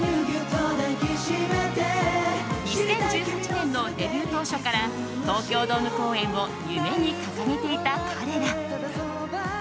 ２０１８年のデビュー当初から東京ドーム公演を夢に掲げていた彼ら。